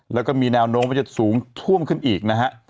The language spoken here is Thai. แล้วก็มีแนวโน้มว่าจะสูงท่วมขึ้นอีกนะฮะ